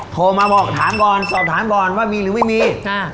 โทรมาบอกถามก่อนสอบถามก่อนว่ามีหรือไม่มีค่ะ